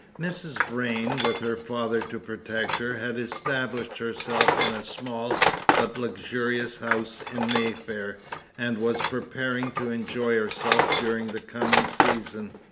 Mrs. Vrain, with her father to protect her, had established herself in a small but luxurious house in Mayfair, and was preparing to enjoy herself during the coming season.